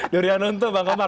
durian runtuh bang omar